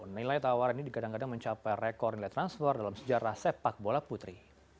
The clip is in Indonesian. nilai tawaran ini digadang gadang mencapai rekor nilai transfer dalam sejarah sepak bola putri